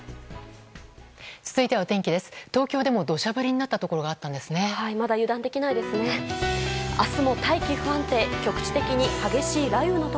続いてはお天気です。